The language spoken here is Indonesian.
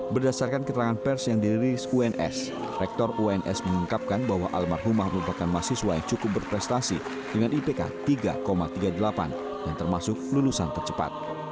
berdasarkan keterangan pers yang dirilis uns rektor uns mengungkapkan bahwa almarhumah merupakan mahasiswa yang cukup berprestasi dengan ipk tiga tiga puluh delapan yang termasuk lulusan tercepat